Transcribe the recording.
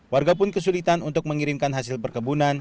warga pun kesulitan untuk mengirimkan hasil perkebunan